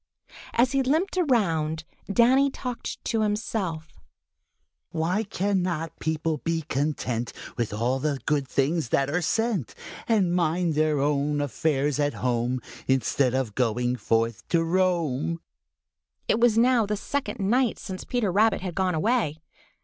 As he limped around, Danny talked to himself: "Why cannot people be content With all the good things that are sent, And mind their own affairs at home Instead of going forth to roam?" It was now the second night since Peter Rabbit had gone away.